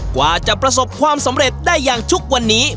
กว่าจะประสบความสำเร็จได้อย่างทุกวันนี้